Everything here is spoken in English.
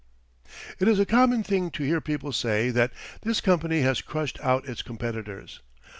It is a common thing to hear people say that this company has crushed out its competitors.